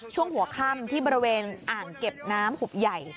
ช่วงหัวค่ำที่บริเวณอ่างเก็บน้ำหุบใหญ่